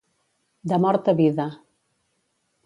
De mort a vida.